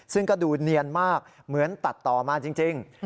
ซึ่งก็ดูเนียนมากเหมือนตัดต่อมาจริง